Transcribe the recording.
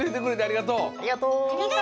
ありがとう。